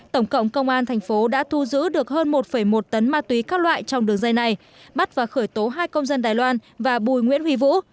tổng cộng công an thành phố đã thu giữ được hơn một một tấn ma túy các loại trong đường dây này bắt và khởi tố hai công dân đài loan và bùi nguyễn huy vũ